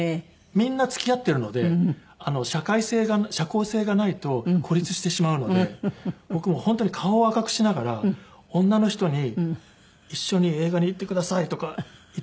みんな付き合ってるので社交性がないと孤立してしまうので僕も本当に顔を赤くしながら女の人に一緒に映画に行ってくださいとか言ってましたね。